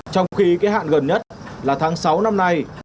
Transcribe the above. trong khi kết hạn gần nhất là tháng sáu năm nay